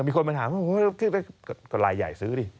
มีคนมาถามว่าลายใหญ่ซื้อดิ